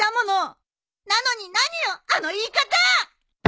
なのに何よあの言い方！